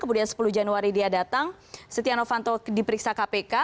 kemudian sepuluh januari dia datang setia novanto diperiksa kpk